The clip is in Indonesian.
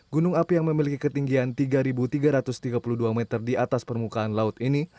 gunung api yang memiliki ketinggian tiga tiga ratus tiga puluh dua meter di atas permukaan laut ini